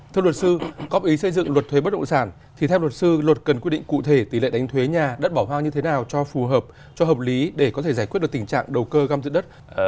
thưa luật sư góp ý xây dựng luật thuế bất động sản thì theo luật sư luật cần quy định cụ thể tỷ lệ đánh thuế nhà đất bỏ hoang như thế nào cho phù hợp cho hợp lý để có thể giải quyết được tình trạng đầu cơ găm giữ đất